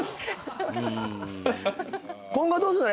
今後どうすんの？